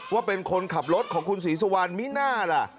ว่าเป็นคนขับรถของคุณศรีสุวรรณมิน่าล่ะ